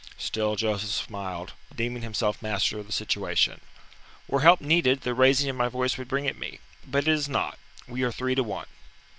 Still Joseph smiled, deeming himself master of the situation. "Were help needed, the raising of my voice would bring it me. But it is not. We are three to one."